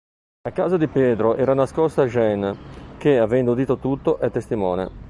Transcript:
A casa di Pedro era nascosta Jeanne, che, avendo udito tutto, è testimone.